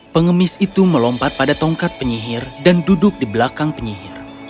pengemis itu melompat pada tongkat penyihir dan duduk di belakang penyihir